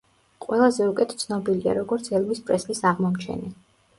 ყველაზე უკეთ ცნობილია, როგორც ელვის პრესლის აღმომჩენი.